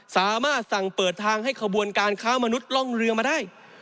สามารถสั่งเปิดทางให้ขบวนการค้ามนุษย์ร่องเรือมาได้